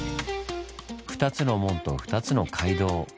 ２つの門と２つの街道。